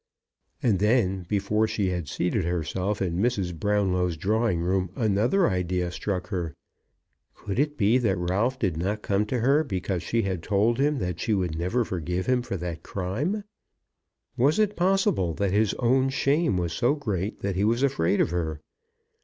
And then, before she had seated herself in Mrs. Brownlow's drawing room, another idea had struck her. Could it be that Ralph did not come to her because she had told him that she would never forgive him for that crime? Was it possible that his own shame was so great that he was afraid of her?